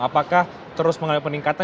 apakah terus mengalami peningkatan